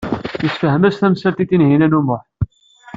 Nessefhem-as tamsalt i Tinhinan u Muḥ.